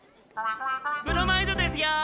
ブロマイドですよ！